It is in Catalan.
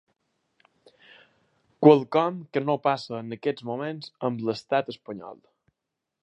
Quelcom que no passa en aquests moments amb l’estat espanyol.